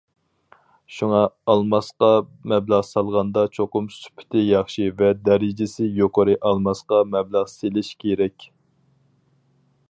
شۇڭا ئالماسقا مەبلەغ سالغاندا چوقۇم سۈپىتى ياخشى ۋە دەرىجىسى يۇقىرى ئالماسقا مەبلەغ سېلىش كېرەك.